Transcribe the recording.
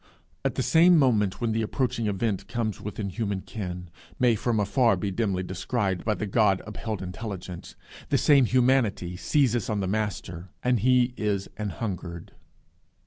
At the same moment when the approaching event comes within human ken, may from afar be dimly descried by the God upheld intelligence, the same humanity seizes on the Master, and he is an hungered.